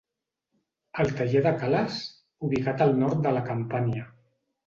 El taller de Cales, ubicat al nord de la Campània.